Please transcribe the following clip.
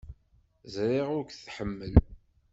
Ẓriɣ ur k-tḥemmel.